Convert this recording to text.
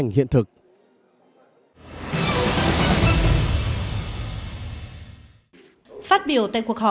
với tổ chức ấn độ